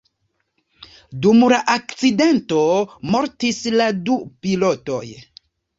Dum la akcidento mortis la du pilotoj.